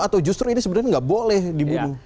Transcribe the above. atau justru ini sebenarnya nggak boleh dibunuh